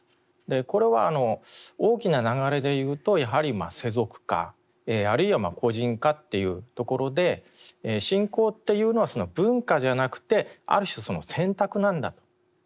これは大きな流れでいうとやはり世俗化あるいは個人化っていうところで信仰っていうのは文化じゃなくてある種選択なんだと。